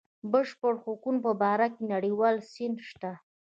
د بشر د حقونو په باره کې نړیوال سند شته.